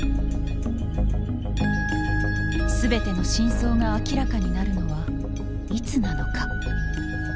全ての真相が明らかになるのはいつなのか。